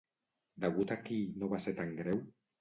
Degut a qui no va ser tan greu?